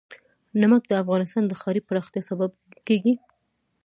نمک د افغانستان د ښاري پراختیا سبب کېږي.